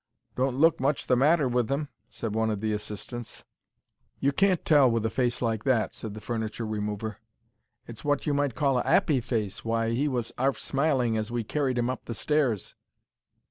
"Don't look much the matter with 'im," said one of the assistants. "You can't tell with a face like that," said the furniture remover. "It's wot you might call a 'appy face. Why, he was 'arf smiling as we, carried 'im up the stairs."